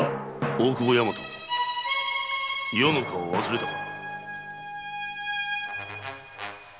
大久保大和余の顔を忘れたか！